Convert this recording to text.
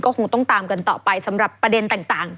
คงต้องตามกันต่อไปสำหรับประเด็นต่าง